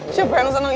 ih siapa yang seneng